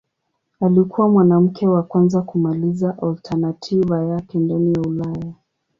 Alikuwa mwanamke wa kwanza kumaliza alternativa yake ndani ya Ulaya.